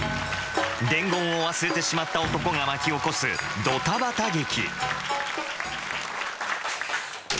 伝言を忘れてしまった男が巻き起こすドタバタ劇え